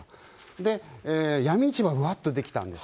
で、闇市場がうわっと出来たんです。